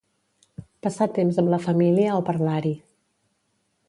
Passar temps amb la família o parlar-hi.